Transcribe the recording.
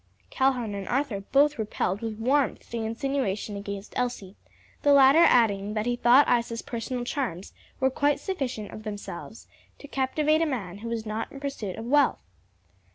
Calhoun and Arthur both repelled with warmth the insinuation against Elsie; the latter adding that he thought Isa's personal charms were quite sufficient of themselves to captivate a man who was not in pursuit of wealth.